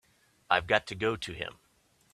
I've got to go to him.